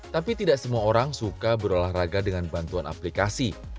tapi tidak semua orang suka berolahraga dengan bantuan aplikasi